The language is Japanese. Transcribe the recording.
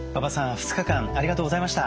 ２日間ありがとうございました。